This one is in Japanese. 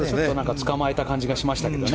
つかまえた感じがしましたけどね。